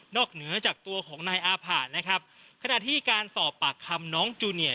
เหนือจากตัวของนายอาผะนะครับขณะที่การสอบปากคำน้องจูเนียร์